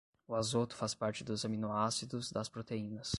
O azoto faz parte dos aminoácidos das proteínas.